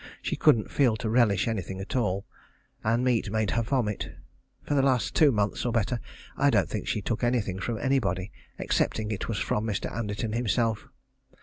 She couldn't feel to relish anything at all, and meat made her vomit. For the last two months or better I don't think she took anything from anybody, excepting it was from Mr. Anderton himself.